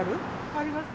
ありますよ。